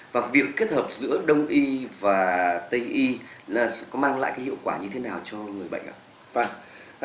và việc kết hợp giữa đông y và tây y có mang lại hiệu quả như thế nào cho người bệnh